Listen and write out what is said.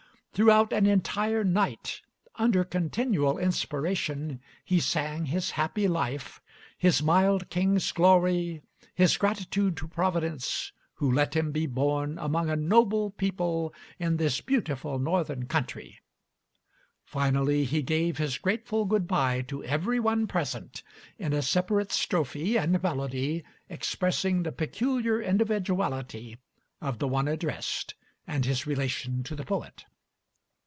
Throughout an entire night, under continual inspiration, he sang his happy life, his mild King's glory, his gratitude to Providence, who let him be born among a noble people in this beautiful Northern country, finally he gave his grateful good by to every one present, in a separate strophe and melody expressing the peculiar individuality of the one addressed and his relation to the poet.